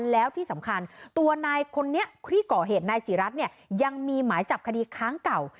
แล้วที่สำคัญตัวนายคนนี้ที่ก่อเหตุนายศรีรัฐเนี่ยยังมีหมายจับคดีค้างเก่า